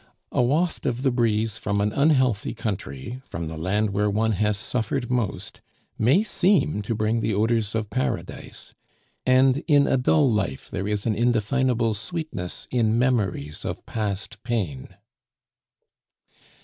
A waft of the breeze from an unhealthy country, from the land where one has suffered most, may seem to bring the odors of Paradise; and in a dull life there is an indefinable sweetness in memories of past pain.